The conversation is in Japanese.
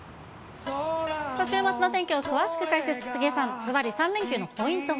週末のお天気を詳しく解説、杉江さん、ずばり３連休のポイントは。